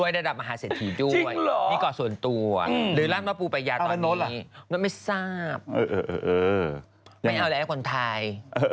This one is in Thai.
รวยระดับมหาเสถียร์ด้วยนี่ก่อนส่วนตัวหรือร่างว่าปูปายาตอนนี้ไม่ทราบไม่เอาแล้วแหละคนไทย